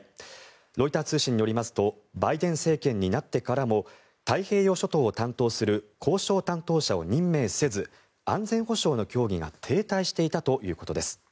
ロイター通信によりますとバイデン政権になってからも太平洋諸島を担当する交渉担当者を任命せず安全保障の協議が停滞していたということです。